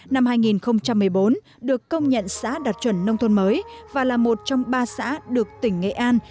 năm hai nghìn một mươi bốn được công nhận xã đạt chuẩn nông thôn mới và là một trong ba xã được tỉnh nghệ an